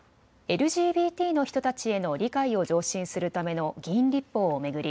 ＬＧＢＴの人たちへの理解を増進するための議員立法を巡り